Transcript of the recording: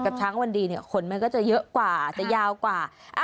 ช้างวันดีเนี่ยขนมันก็จะเยอะกว่าจะยาวกว่า